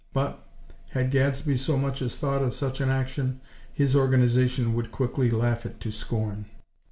But, had Gadsby so much as thought of such an action, his Organization would quickly laugh it to scorn.